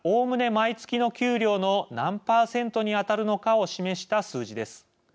毎月の給料の何％に当たるのかを示した数字です。